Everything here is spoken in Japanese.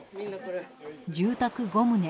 住宅５棟